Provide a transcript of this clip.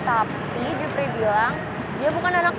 sampai jumpa di video selanjutnya